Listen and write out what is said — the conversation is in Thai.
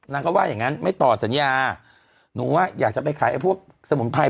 นางก็ว่าอย่างงั้นไม่ต่อสัญญาหนูว่าอยากจะไปขายไอ้พวกสมุนไพร